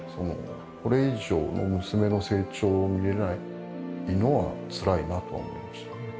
これ以上の娘の成長を見れないのはつらいなと思いましたね。